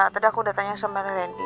tadi aku udah tanya sama randy